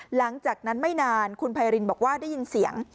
หลังจากนั้นไม่นานคุณไพรินบอกว่าได้ยินเสียง